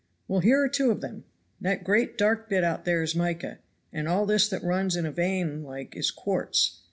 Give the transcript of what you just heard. "Well, here are two of them. That great dark bit out there is mica, and all this that runs in a vein like is quartz.